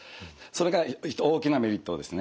それが大きなメリットですね。